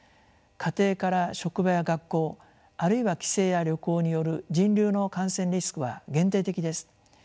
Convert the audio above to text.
家庭から職場や学校あるいは帰省や旅行による人流の感染リスクは限定的です。